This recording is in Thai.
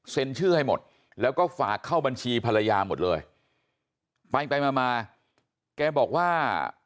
ชื่อให้หมดแล้วก็ฝากเข้าบัญชีภรรยาหมดเลยไปไปมามาแกบอกว่า